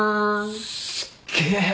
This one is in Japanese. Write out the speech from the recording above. すっげえ！